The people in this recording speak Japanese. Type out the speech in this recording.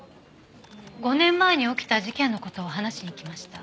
５年前に起きた事件の事を話しに行きました。